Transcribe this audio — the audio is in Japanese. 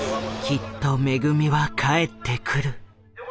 「きっとめぐみは帰ってくる」。